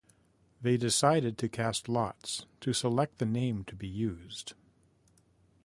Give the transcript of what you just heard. They decided to cast lots to select the name to be used.